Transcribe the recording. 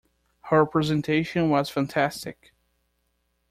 Her presentation was fantastic!